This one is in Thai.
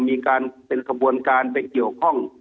มีการเป็นขบวนการไปเกี่ยวข้อง